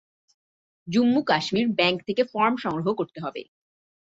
Jammu-Kashmir bank থেকে form সংগ্রহ করতে হবে।